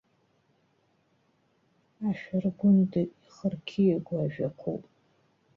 Ашәыргәында ихырқьиагоу ажәақәоуп.